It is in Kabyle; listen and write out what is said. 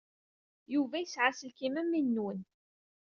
Yuba yesɛa aselkim am win-nwen.